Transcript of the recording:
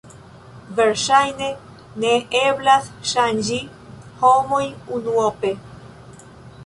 Verŝajne ne eblas ŝanĝi homojn unuope.